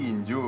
gue yang tinju